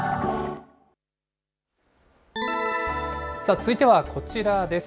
続いてはこちらです。